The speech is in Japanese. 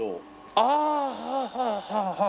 ああはあはあはあはあ。